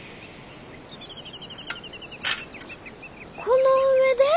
この上で？